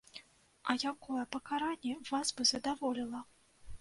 А якое пакаранне вас бы задаволіла?